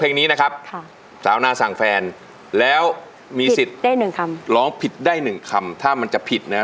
เพลงนี้ชื่อเพลงอะไรค่ะคุณซิม